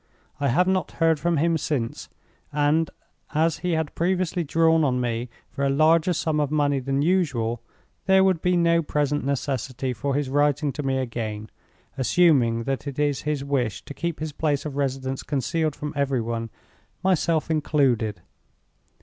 I have not heard from him since; and, as he had previously drawn on me for a larger sum of money than usual, there would be no present necessity for his writing to me again—assuming that it is his wish to keep his place of residence concealed from every one, myself included.